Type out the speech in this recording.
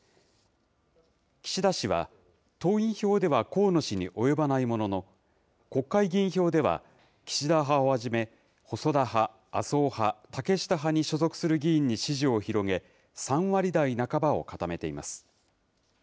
岸田氏は、党員票では河野氏に及ばないものの、国会議員票では岸田派をはじめ、細田派、麻生派、竹下派に所属する議員に支持を広げ、３割台半ばを固めています。